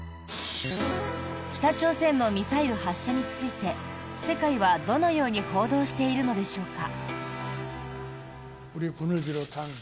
北朝鮮のミサイル発射について世界は、どのように報道しているのでしょうか？